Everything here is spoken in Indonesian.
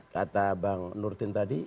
kata bang nurdin tadi